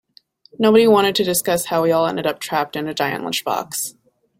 Nobody wanted to discuss how we all ended up trapped in a giant lunchbox.